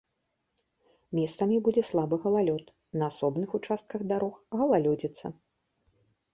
Месцамі будзе слабы галалёд, на асобных участках дарог галалёдзіца.